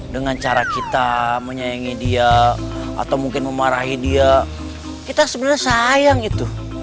dengan cara kita menyayangi dia atau mungkin memarahi dia kita sebenarnya sayang gitu